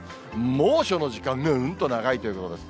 猛暑の時間がうんと長いということです。